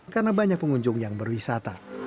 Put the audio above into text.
karena banyak pengunjung yang berwisata